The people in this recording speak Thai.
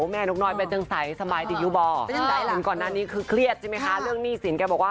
เฮ้ยน้องเป็นอย่างไรบ้างคะ